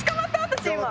私今。